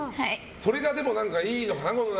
それがいいのかな。